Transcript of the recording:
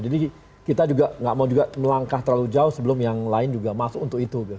jadi kita juga tidak mau melangkah terlalu jauh sebelum yang lain juga masuk untuk itu